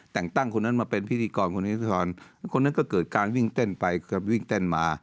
แต่งตั้งคนนั้นมาเป็นพิธีกรคนนี้สุธรคนนั้นก็เกิดการวิ่งเต้นไปเกิดวิ่งเต้นมา